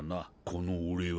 この俺は。